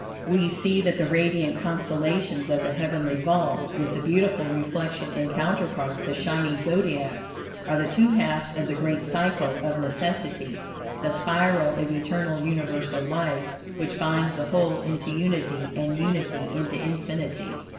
We see that the radiant constellations of the heavenly vault, with the beautiful reflection and counterpart, the shining Zodiac, are the two halves of the great Cycle of Necessity, the spiral of eternal, universal life, which binds the whole into unity, and unity into infinity.